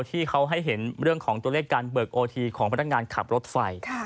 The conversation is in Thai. ที่เขาให้เห็นเรื่องของตัวเลขการเบิกโอทีของพนักงานขับรถไฟ